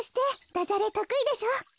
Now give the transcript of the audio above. ダジャレとくいでしょう。